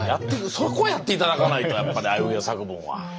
そこやって頂かないとやっぱりあいうえお作文は。